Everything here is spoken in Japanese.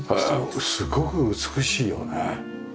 すごく美しいよね。